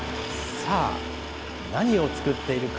さあ、何を作っているか。